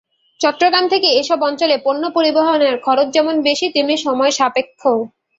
চট্টগ্রাম থেকে এসব অঞ্চলে পণ্য পরিবহনের খরচ যেমন বেশি, তেমনি সময়সাপেক্ষও।